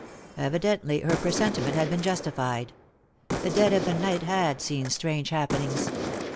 Evidently her presentiment had been justified ; the dead of the night had seen strange happenings.